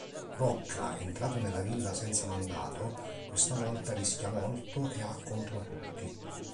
Rocca, entrato nella villa senza mandato, questa volta rischia molto e ha contro tutti.